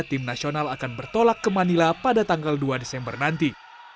tim nasional akan bertolak ke manila pada tanggal dua desember nanti